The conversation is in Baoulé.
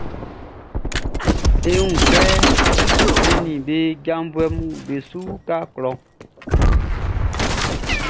E wun kɛ be nin be janvuɛʼn be su uka klɔʼn.